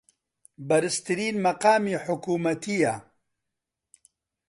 بەرزترین مەقامی حکوومەتییە